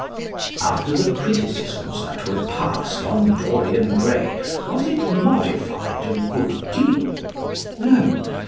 After the criticisms that were passed on "Dorian Gray" was it modified a good deal? No.